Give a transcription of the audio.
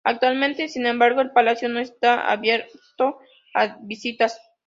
Actualmente, sin embargo, el palacio no está abierto a visitas.